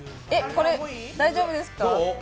これ大丈夫ですか？